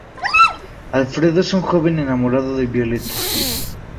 Alfredo es un joven enamorado de Violetta.